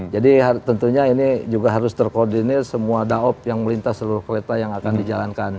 jadi tentunya ini juga harus terkoordinir semua daob yang melintas seluruh kereta yang akan dijalankan